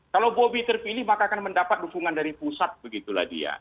kalau bobi terpilih maka akan mendapat dukungan dari pusat begitulah dia